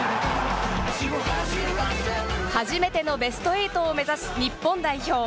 初めてのベスト８を目指す日本代表。